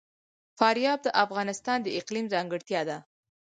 فاریاب د افغانستان د اقلیم ځانګړتیا ده.